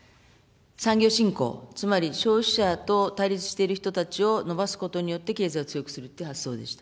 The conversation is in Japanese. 産業振興、つまり消費者と対立している人たちを伸ばすことによって、経済を強くするという発想でした。